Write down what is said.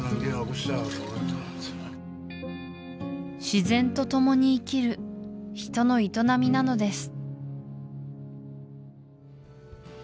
自然とともに生きる人の営みなのです